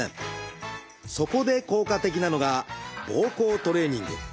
そこで効果的なのがぼうこうトレーニング。